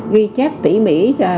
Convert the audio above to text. ghi chép tỉ mỉ rồi